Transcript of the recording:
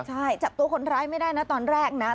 ใช่จับตัวคนร้ายไม่ได้นะตอนแรกนะ